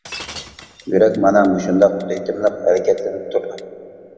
يۈرەك مانا مۇشۇنداق رىتىملىق ھەرىكەتلىنىپ تۇرىدۇ.